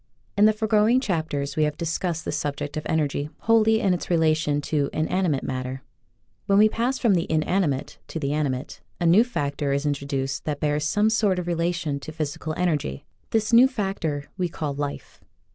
In the foregoing chapters we have discussed the subject of energy wholly in its relation to inanimate matter. When we pass from the inanimate to the animate a new factor is in troduced that bears some sort of relation to physical energy. This new factor we call Life.